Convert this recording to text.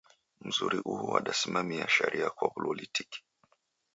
Mzuri uhu wadasimamia sharia kwa wuloli tiki.